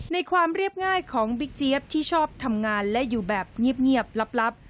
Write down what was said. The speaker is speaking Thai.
ความเรียบง่ายของบิ๊กเจี๊ยบที่ชอบทำงานและอยู่แบบเงียบลับ